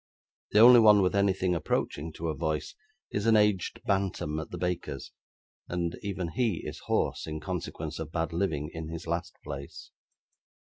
The only one with anything approaching to a voice, is an aged bantam at the baker's; and even he is hoarse, in consequence of bad living in his last place.